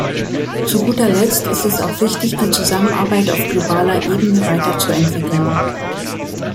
Zu guter Letzt ist es auch wichtig, die Zusammenarbeit auf globaler Ebene weiterzuentwickeln.